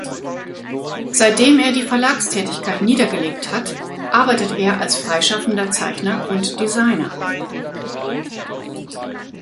Seitdem er die Verlagstätigkeit niedergelegt hat, arbeitet er als freischaffender Zeichner und Designer.